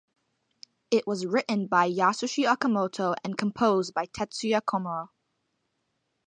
It was written by Yasushi Akimoto and composed by Tetsuya Komuro.